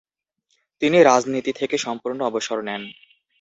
তিনি রাজনীতি থেকে সম্পূর্ণ অবসর নেন।